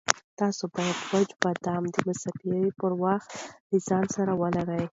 تاسو باید وچ بادام د مسافرۍ پر مهال له ځان سره ولرئ.